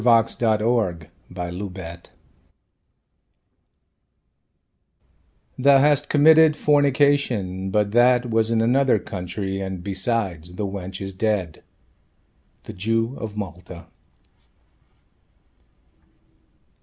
Portrait of a Lady Thou hast committed Fornication: but that was in another country And besides, the wench is dead. The Jew of Malta.